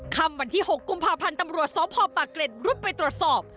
ค่ำวันที่หกกุมภาพันธ์ตำรวจสองพ่อป่าเกรดรุดไปตรวจสอบ